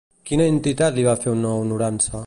Quina entitat li va fer una honorança?